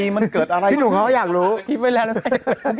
ยังไงยังไง